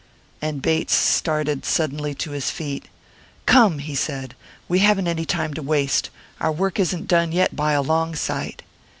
And Bates started suddenly to his feet. "Come!" he said. "We haven't any time to waste. Our work isn't done yet, by a long sight."